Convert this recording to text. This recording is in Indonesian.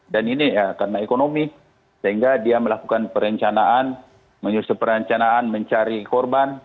dan ini ya karena ekonomi sehingga dia melakukan perencanaan menyusun perencanaan mencari korban